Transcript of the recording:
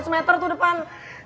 dua ratus meter tuh depan